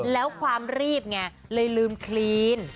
แล้วความรีบไงเลยลืมคลีน